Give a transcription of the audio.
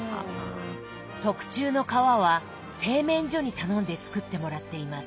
特注の皮は製麺所に頼んで作ってもらっています。